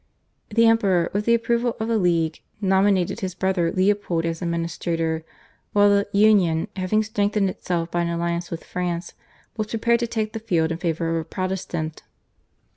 The Emperor with the approval of the /League/ nominated his brother Leopold as administrator, while the /Union/, having strengthened itself by an alliance with France, was prepared to take the field in favour of a Protestant.